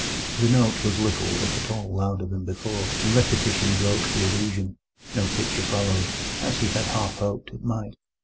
The note was little, if at all, louder than before, and repetition broke the illusion—no picture followed, as he had half hoped it might.